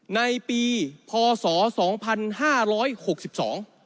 ในปีพศ๒๐๑๕